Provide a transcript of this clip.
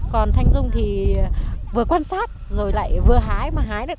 còn thanh dung thì vừa quan sát rồi lại vừa hái mà hái lại